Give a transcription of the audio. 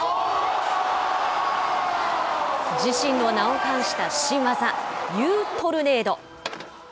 自身の名を冠した新技、ユウトルネード。